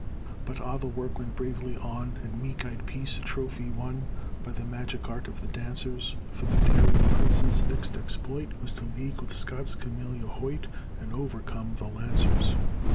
But ah! the work went bravely on, And meek eyed Peace a trophy won By the magic art of the dancers; For the daring prince's next exploit Was to league with Scott's Camilla Hoyt, And overcome the Lancers.